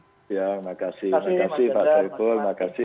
terima kasih pak syai fulhuda